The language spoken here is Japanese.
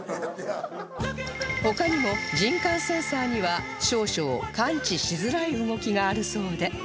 他にも人感センサーには少々感知しづらい動きがあるそうで